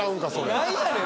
何やねん？